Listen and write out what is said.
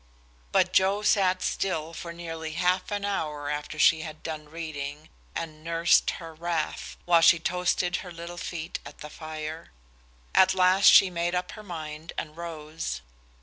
But Joe sat still for nearly half an hour after she had done reading and nursed her wrath, while she toasted her little feet at the fire. At last she made up her mind and rose.